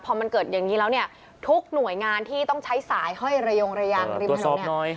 พอมันเกิดอย่างนี้แล้วเนี่ยทุกหน่วยงานที่ต้องใช้สายห้อยระยงระยางริมถนนเนี่ย